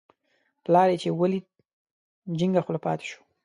پلار چې یې ولید، جینګه خوله پاتې شو.